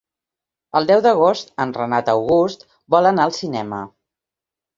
El deu d'agost en Renat August vol anar al cinema.